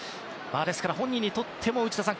ですから、本人にとっても内田さん